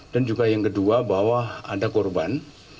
dan juga yang kedua bahwa ada korban